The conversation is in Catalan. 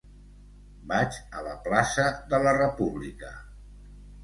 Vaig a la plaça de la República.